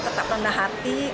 tetap rendah hati